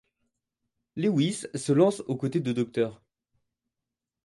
Lewis se lance aux côtés de Dr.